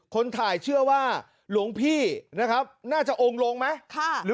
คนถ่ายเชื่อว่าหลวงพี่นะครับน่าจะองค์ลงไหม